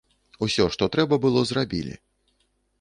Усё, што трэба было, зрабілі.